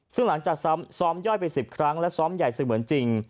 ซึ่งหลังจากซ้อมย่อยไป๑๐ครั้งและซ้อมใหญ่เสมือนจริง